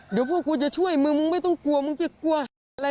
เดี๋ยวพวกกูจะช่วยมึงมึงไม่ต้องกลัวมึงจะกลัวอะไร